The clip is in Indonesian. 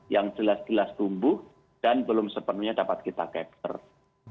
yang jelas jelas tumbuh dan belum sepenuhnya dapat kita capture